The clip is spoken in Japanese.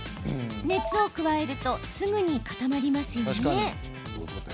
熱を加えるとすぐに、固まりますよね。